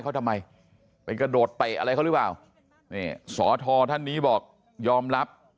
เขาทำไมไปกระโดดเตะอะไรเขาหรือเปล่านี่สอทอท่านนี้บอกยอมรับ